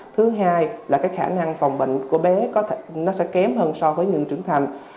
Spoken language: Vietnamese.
thứ hai là cái khả năng phòng bệnh của bé nó sẽ kém hơn so với những trưởng thành